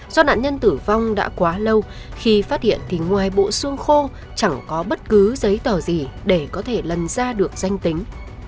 do nạn nhân tử vong đã quá lâu khi phát hiện thì ngoài bộ xuông khô chẳng có bất cứ giấy tờ gì để có thể lần ra được danh tính